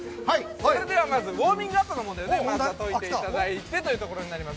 ◆それでは、まずウオーミングアップの問題をまずは解いていただいてということになります。